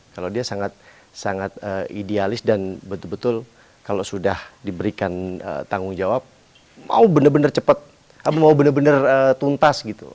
kalau dia sangat idealis dan betul betul kalau sudah diberikan tanggung jawab mau benar benar cepat kamu benar benar tuntas gitu